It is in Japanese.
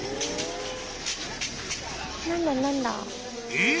［えっ！？